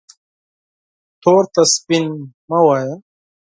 تور ته سپین مه وایه